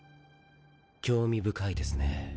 興味深いですね。